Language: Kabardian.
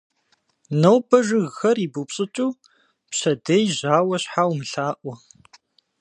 Нобэ жыгхэр ибупщӀыкӀу, пщэдей жьауэ щхьа умылъаӀуэ.